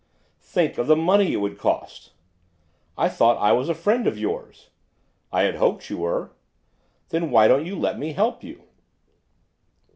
'Think of the money it would cost.' 'I thought I was a friend of yours.' 'I had hoped you were.' 'Then why don't you let me help you?